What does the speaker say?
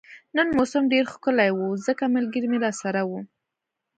نن موسم ډیر ښکلی وو ځکه ملګري مې راسره وو